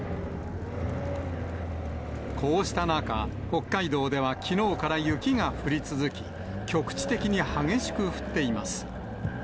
こうした中、北海道ではきのうから雪が降り続き、局地的に激しく降っています。